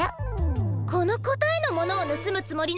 このこたえのものをぬすむつもりなんだ。